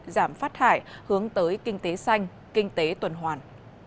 giảm phát thải hướng tới kinh tế xanh kinh tế tuần hoàn